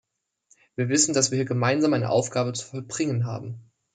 Wir wissen, dass wir hier gemeinsam eine Aufgabe zu vollbringen haben.